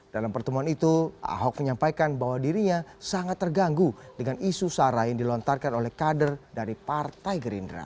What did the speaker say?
dalam pertemuan itu ahok menyampaikan bahwa dirinya sangat terganggu dengan isu sara yang dilontarkan oleh kader dari partai gerindra